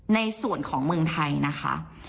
ในส่วนของเมืองไทยนะคะ